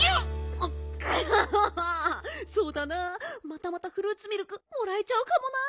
またまたフルーツミルクもらえちゃうかもな。